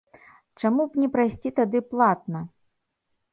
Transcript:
Чаму б не прайсці тады платна?